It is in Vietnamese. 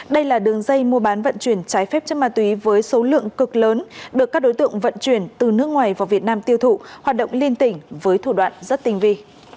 đây là đường dây mua bán vận chuyển trái phép chất ma túy với số lượng cực lớn được các đối tượng vận chuyển từ nước ngoài vào việt nam tiêu thụ hoạt động liên tỉnh với thủ đoạn rất tinh vi